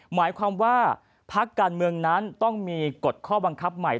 หมายความว่าพักการเมืองนั้นต้องมีกฎข้อบังคับใหม่